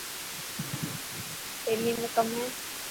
ٿيلي ۾ ڪئي هي.